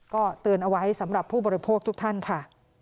ก็เตือนเอาไว้สำหรับผู้บริโภคทุกท่านค่ะ